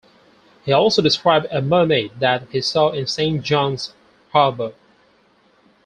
He also described a mermaid that he saw in Saint John's harbour.